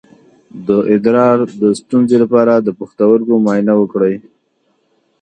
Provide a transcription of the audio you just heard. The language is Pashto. د ادرار د ستونزې لپاره د پښتورګو معاینه وکړئ